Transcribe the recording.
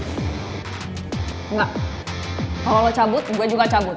enggak kalau lo cabut gue juga cabut